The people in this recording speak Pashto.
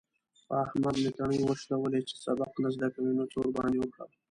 په احمد مې تڼۍ وشلولې. چې سبق نه زده کوي؛ نو څه ورباندې وکړم؟!